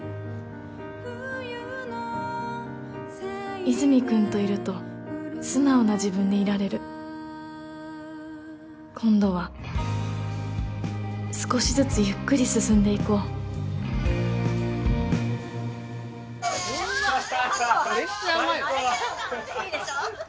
和泉君といると素直な自分でいられる今度は少しずつゆっくり進んでいこううまっめっちゃうまいよいいでしょ？